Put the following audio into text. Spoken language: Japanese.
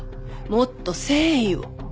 もっと誠意を。